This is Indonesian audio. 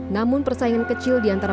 namun persaingan kecil diantara